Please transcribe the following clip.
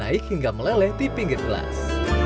dan naik hingga melele di pinggir gelas